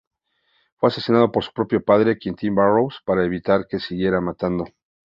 Fue asesinado por su propio padre, Quentin Barrows, para evitar que siguiera matando.